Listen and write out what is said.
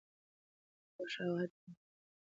خو شواهد بشپړ نه دي.